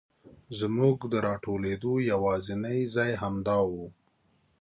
زمونږ د راټولېدو یواځینی ځای همدا و.